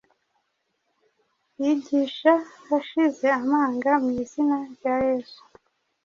yigisha ashize amanga mu izina rya Yesu.”